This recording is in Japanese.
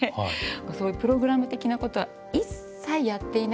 そういうプログラム的なことは一切やっていなくて。